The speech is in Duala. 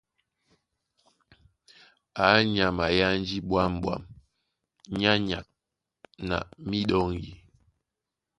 Á nyama é ánjí ɓwǎm̀ɓwam nyá nyaka na míɗɔŋgi.